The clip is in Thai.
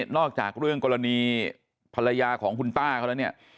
จากเรื่องกรณีภรรยาของคุณป้าเขาแล้วเนี่ย